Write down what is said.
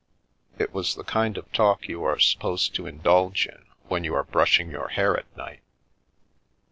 It was the kind of talk you are supposed to indulge in when you are brushing your hair at night.